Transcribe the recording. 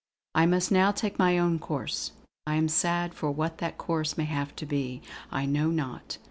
I must now take my own course. I am sad; for what that course may have to be, I know not.